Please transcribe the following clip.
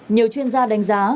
nhiều chuyên gia đánh giá